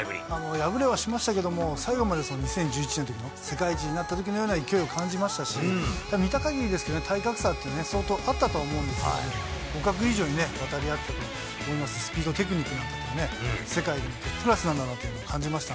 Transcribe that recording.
敗れはしましたけれども、最後まで２０１１年のときの、世界一になったときのように感じましたし、見たかぎりですけど、体格差っていうのは相当あったと思うんですけど、互角以上に渡り合って、スピード、テクニックなんかもね、世界のトップクラスなんだなと感じました。